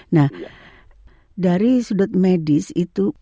nah dari sudut medis itu